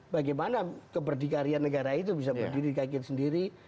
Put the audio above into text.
bagaimana keberdikarian negara itu bisa berdiri kakin sendiri